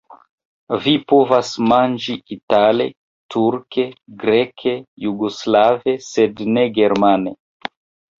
Vi povas manĝi itale, turke, greke, jugoslave, sed ne germane.